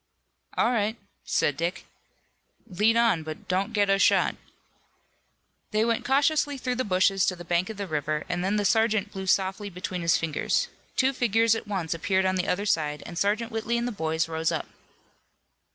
"All right," said Dick. "Lead on, but don't get us shot." They went cautiously through the bushes to the bank of the river, and then the sergeant blew softly between his fingers. Two figures at once appeared on the other side, and Sergeant Whitley and the boys rose up.